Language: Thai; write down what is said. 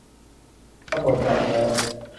ตำรวจกลับไปแล้ว